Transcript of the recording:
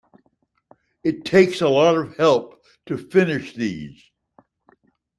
It takes a lot of help to finish these.